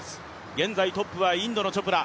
現在トップは、インドのチョプラ。